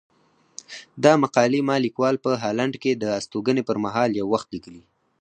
دا مقالې ما ليکوال په هالنډ کې د استوګنې پر مهال يو وخت ليکلي.